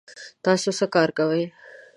تاسو څه کار کوئ؟